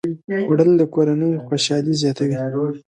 خوړل د کورنۍ خوشالي زیاته وي